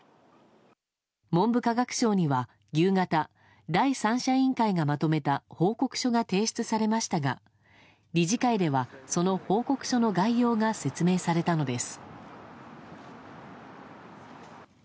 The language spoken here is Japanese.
文部科学省には夕方第三者委員会がまとめた報告書が提出されましたが理事会では、その報告書の概要が説明されたのです。